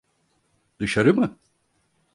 Dışarı mı?